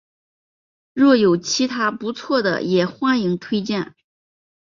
若有其他不错的也欢迎推荐